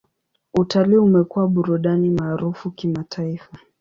Utalii umekuwa burudani maarufu kimataifa.